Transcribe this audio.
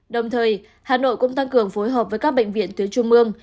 đồng thời hà nội cũng tăng cường phối hợp với các bệnh viện tuyến trung mương